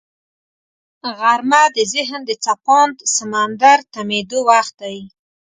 غرمه د ذهن د څپاند سمندر تمېدو وخت دی